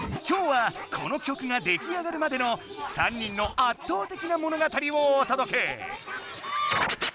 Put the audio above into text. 今日はこのきょくが出来上がるまでの３人の圧倒的なもの語をおとどけ！